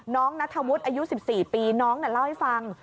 นัทธวุฒิอายุ๑๔ปีน้องเล่าให้ฟัง